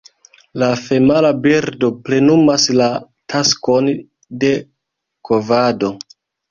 La femala birdo plenumas la taskon de kovado.